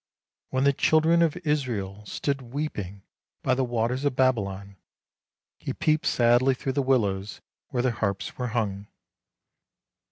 When the 238 ANDERSEN'S FAIRY TALES children of Israel stood weeping by the waters of Babylon, he peeped sadly through the willows where their harps were hung.